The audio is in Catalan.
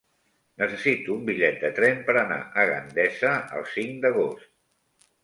Necessito un bitllet de tren per anar a Gandesa el cinc d'agost.